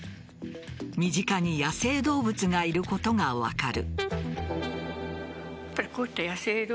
身近に野生動物がいることが分かる。